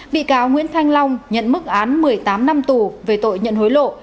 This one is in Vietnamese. bị cáo nguyễn thanh long nhận mức án một mươi tám năm tù về tội nhận hối lộ